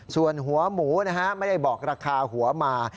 ส่วนหัวหมูนะฮะไม่ได้บอกราคาหัวมา